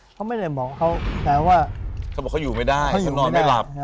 เขาไม่ได้บอกว่าเขาอยู่ไม่ได้เขานอนไม่หลับ